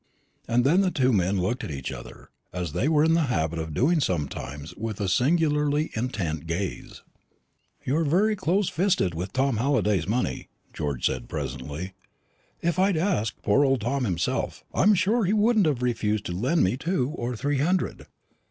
And then the two men looked at each other, as they were in the habit of doing sometimes, with a singularly intent gaze. "You're very close fisted with Tom Halliday's money," George said presently. "If I'd asked poor old Tom himself, I'm sure he wouldn't have refused to lend me two or three hundred."